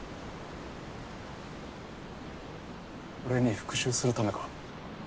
俺に復讐するためか？